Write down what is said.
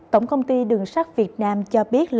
tổng công ty đường sát việt nam cho biết